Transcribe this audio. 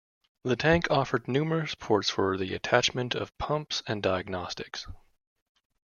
The tank offered numerous ports for the attachment of pumps and diagnostics.